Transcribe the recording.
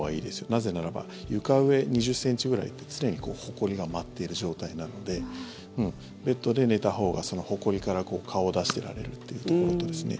なぜならば床上２０ｃｍぐらいは常にほこりが舞っている状態なのでベッドで寝たほうがほこりから顔を出していられるというところとですね